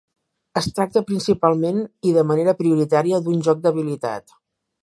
Es tracta principalment i de manera prioritària d'un joc d'habilitat.